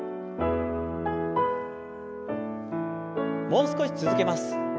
もう少し続けます。